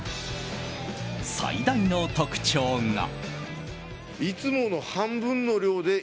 最大の特徴が。